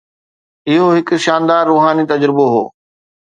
اهو هڪ شاندار روحاني تجربو هو.